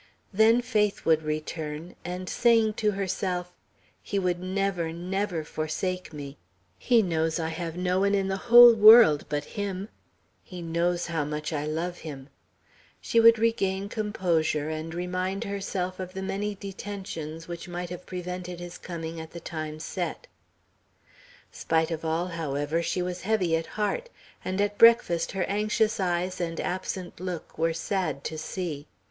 Then faith would return, and saying to herself, "He would never, never forsake me; he knows I have no one in the whole world but him; he knows how I love him," she would regain composure, and remind herself of the many detentions which might have prevented his coming at the time set. Spite of all, however, she was heavy at heart; and at breakfast her anxious eyes and absent look were sad to see.